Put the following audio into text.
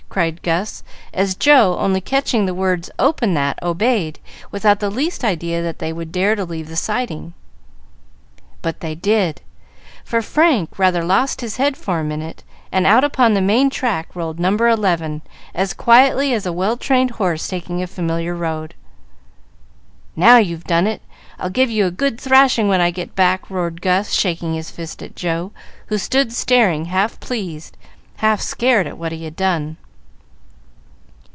cried Gus, as Joe, only catching the words "Open that!" obeyed, without the least idea that they would dare to leave the siding. But they did, for Frank rather lost his head for a minute, and out upon the main track rolled No. 11 as quietly as a well trained horse taking a familiar road. "Now you've done it! I'll give you a good thrashing when I get back!" roared Gus, shaking his fist at Joe, who stood staring, half pleased, half scared, at what he had done.